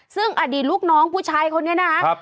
ซึ่งอดีตลูกน้องผู้ชายคนนี้นะครับ